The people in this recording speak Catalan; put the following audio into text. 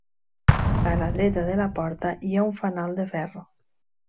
A la dreta de la porta hi ha un fanal de ferro.